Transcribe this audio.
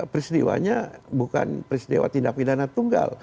peristiwanya bukan peristiwa tindak pidana tunggal